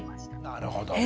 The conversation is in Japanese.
なるほどね。